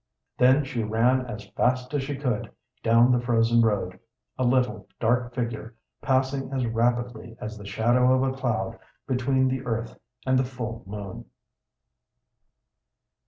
Then she ran as fast as she could down the frozen road, a little, dark figure, passing as rapidly as the shadow of a cloud between the earth and the full moon.